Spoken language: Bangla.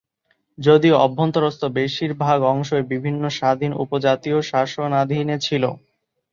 যদিও অভ্যন্তরস্থ বেশিরভাগ অংশই বিভিন্ন স্বাধীন উপজাতীয় শাসনাধীনে ছিল।